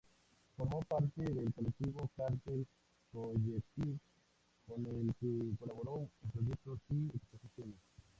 Formó parte del colectivo "Cartel Collective" con el que colaboró en proyectos y exposiciones.